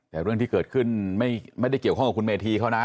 แต่เรื่องที่เกิดขึ้นไม่ได้เกี่ยวข้องกับคุณเมธีเขานะ